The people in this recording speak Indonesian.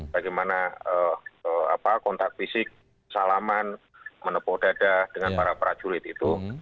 bagaimana kontak fisik salaman menepuk dada dengan para prajurit itu